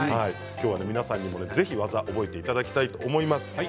皆さんもぜひ覚えていただきたいと思います。